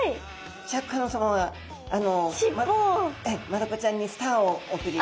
マダコちゃんにスターをおくり。